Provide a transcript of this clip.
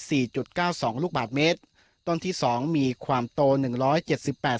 จุดเก้าสองลูกบาทเมตรต้นที่สองมีความโตหนึ่งร้อยเจ็ดสิบแปด